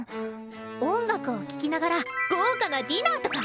音楽を聴きながら豪華なディナーとか？